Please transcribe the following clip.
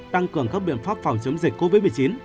tăng cường các biện pháp phòng chống dịch covid một mươi chín